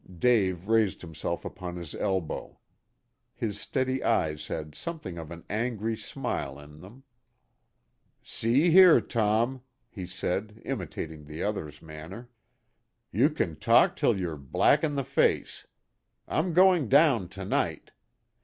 Dave raised himself upon his elbow. His steady eyes had something of an angry smile in them. "See here, Tom," he said, imitating the other's manner. "You can talk till you're black in the face. I'm going down to night.